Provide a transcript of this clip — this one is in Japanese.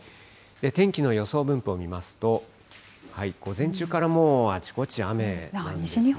天気の予想分布を見ますと、午前中からもうあちこち雨ですね。